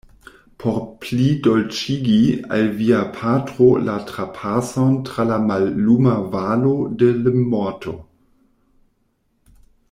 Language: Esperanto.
por plidolĉigi al via patro la trapason tra la malluma valo de l’morto.